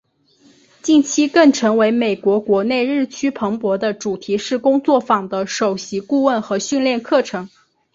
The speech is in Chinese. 近期更成为美国国内日趋蓬勃的主题式工作坊的首席顾问和训练课程。